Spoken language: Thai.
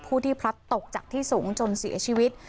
ผู้ที่พลัดตกจากที่สูงจนเสียชีวิต